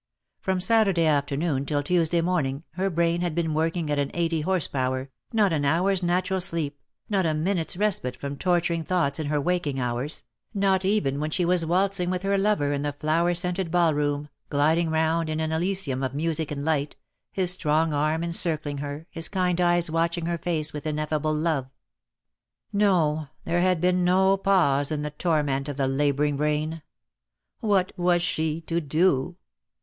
From Saturday afternoon till Tuesday morning her brain had been working at an eighty horse power, not an hour's natural sleep, not a minute's respite from torturing thoughts in her waking hours, not even when she was waltzing with her lover in the flower scented ball room, gliding round in an elysium of music and light, his strong arm encircling her, his kind eyes watching her face with ineffable love. No, there 256 DEAD LOVE HAS CHAINS. had been no pause in the torment of the labouring brain. What was she to do?